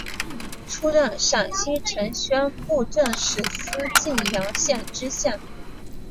出任陕西承宣布政使司泾阳县知县。